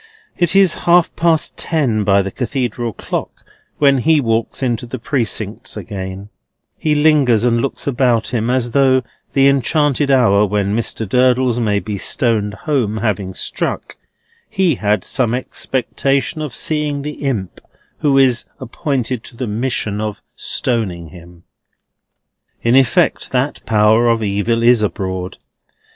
It is half past ten by the Cathedral clock when he walks out into the Precincts again; he lingers and looks about him, as though, the enchanted hour when Mr. Durdles may be stoned home having struck, he had some expectation of seeing the Imp who is appointed to the mission of stoning him. In effect, that Power of Evil is abroad.